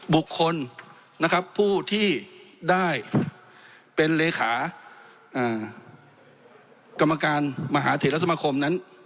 บุคคลนะครับผู้ที่ได้เป็นเลขากรรมการมหาเถระสมคมนั้น